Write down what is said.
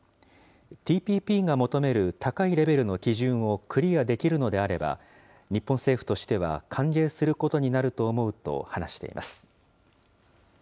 ＴＰＰが求める高いレベルの基準をクリアできるのであれば、日本政府としては歓迎することになると思うと話しています。